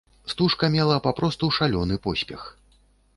Стужка мела папросту шалёны поспех.